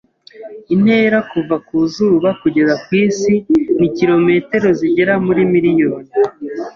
Intera kuva ku zuba kugeza ku isi ni kilometero zigera kuri miliyoni .